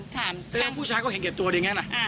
ถ้าผู้ชายก็แข็งเก็บตัวเดียงงั้นอะ